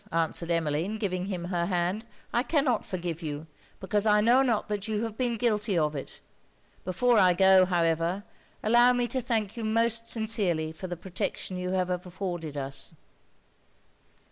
answered Emmeline, giving him her hand 'I cannot forgive you, because I know not that you have been guilty of it. Before I go, however, allow me to thank you most sincerely for the protection you have afforded us.'